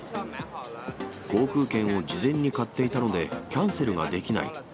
航空券を事前に買っていたので、キャンセルができない。